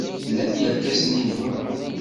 Flan yirkasen-inu.